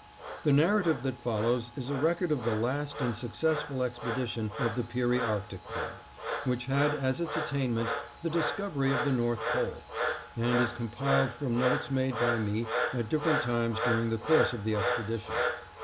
The narrative that follows is a record of the last and successful expedition of the Peary Arctic Club, which had as its attainment the discovery of the North Pole, and is compiled from notes made by me at different times during the course of the expedition.